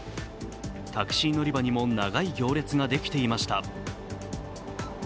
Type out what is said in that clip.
タクシー乗り場にも長い行列ができていました。